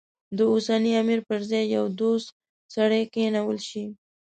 د اوسني امیر پر ځای یو دوست سړی کېنول شي.